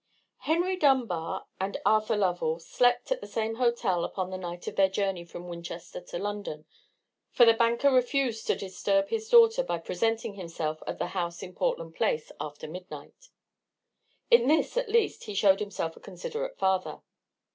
Henry Dunbar and Arthur Lovell slept at the same hotel upon the night of their journey from Winchester to London; for the banker refused to disturb his daughter by presenting himself at the house in Portland Place after midnight. In this, at least, he showed himself a considerate father.